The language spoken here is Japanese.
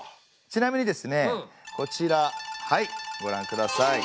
ちなみにですねこちらはいごらんください。